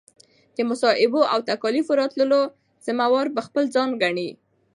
د مصائبو او تکاليفو راتللو ذمه وار به خپل ځان ګڼي